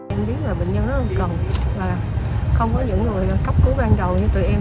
em biết là bệnh nhân rất là cần và không có những người cấp cứu ban đầu như tụi em